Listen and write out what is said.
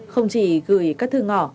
không chỉ gửi các thư ngỏ